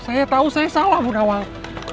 saya tahu saya salah bunda wang